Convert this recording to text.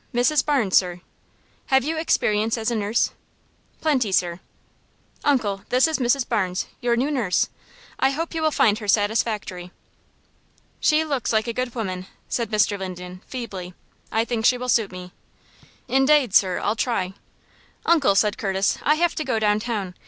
"Mrs. Barnes, sir." "Have you experience as a nurse?" "Plenty, sir." "Uncle, this is Mrs. Barnes, your new nurse. I hope you will find her satisfactory." "She looks like a good woman," said Mr. Linden, feebly. "I think she will suit me." "Indade, sir, I'll try." "Uncle," said Curtis, "I have to go downtown.